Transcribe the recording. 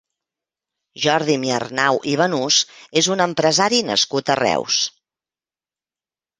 Jordi Miarnau i Banús és un empresari nascut a Reus.